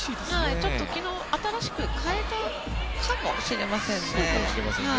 ちょっと昨日、新しく変えたかもしれませんね。